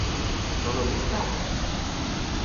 Gant an istor ?